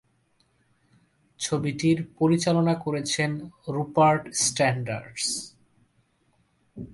ছবিটির পরিচালনা করেছেন রুপার্ট স্যান্ডার্স।